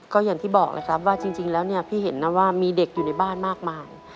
ก็อย่างที่บอกแล้วครับว่าจริงแล้วเนี่ยพี่เห็นนะว่ามีเด็กอยู่ในบ้านมากมาย